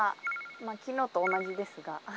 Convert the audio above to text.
昨日と同じですが。